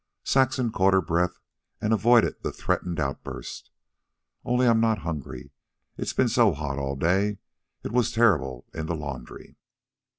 Saxon caught her breath and avoided the threatened outburst. "Only I'm not hungry. It's been so hot all day. It was terrible in the laundry."